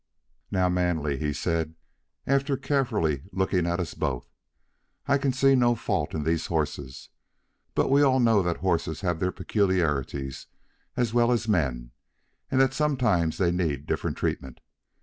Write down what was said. "Now, Manly," he said, after carefully looking at us both, "I can see no fault in these horses; but we all know that horses have their peculiarities as well as men, and that sometimes they need different treatment.